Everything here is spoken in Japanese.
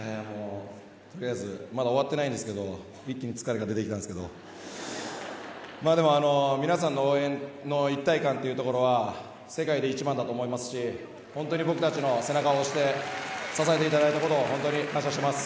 取りあえずまだ終わってないんですけど一気に疲れが出てきたんですけれど皆さんの応援の一体感というところは世界で一番だと思いますし本当に僕たちの背中を押して支えていただいたこと本当に感謝してます。